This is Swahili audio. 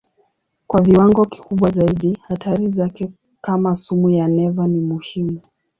Kwa viwango kikubwa zaidi hatari zake kama sumu ya neva ni muhimu.